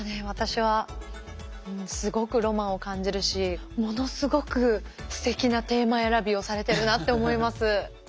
私はすごくロマンを感じるしものすごくすてきなテーマ選びをされてるなって思います。